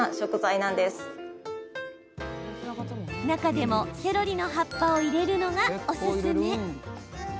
中でも、セロリの葉っぱを入れるのがおすすめ。